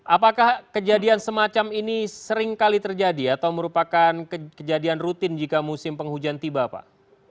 apakah kejadian semacam ini sering kali terjadi atau merupakan kejadian rutin jika musim penghujan tiba pak